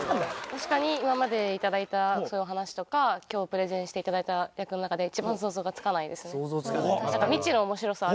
確かに今まで頂いたそういうお話とか今日プレゼンしていただいた役の中で。かもしれないですね。